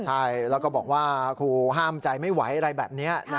ใช่แล้วก็บอกว่าครูห้ามใจไม่ไหวอะไรแบบนี้